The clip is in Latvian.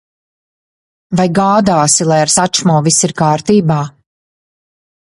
Vai gādāsi, lai ar Sačmo viss ir kārtībā?